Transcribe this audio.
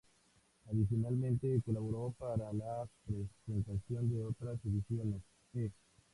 Adicionalmente, colaboró para la presentación de otras ediciones "E!